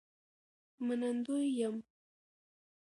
منندوی یم